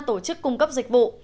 tổ chức cung cấp dịch vụ